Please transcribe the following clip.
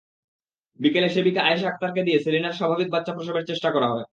বিকেলে সেবিকা আয়েশা আক্তারকে দিয়ে সেলিনার স্বাভাবিক বাচ্চা প্রসবের চেষ্টা করা হয়।